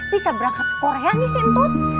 bisa berangkat ke korea nih si antut